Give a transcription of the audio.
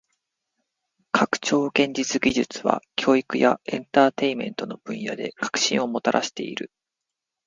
拡張現実技術は教育やエンターテインメントの分野で革新をもたらしている。